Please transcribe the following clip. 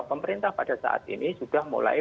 pemerintah pada saat ini sudah mulai